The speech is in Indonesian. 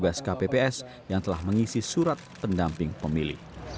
tugas kpps yang telah mengisi surat pendamping pemilih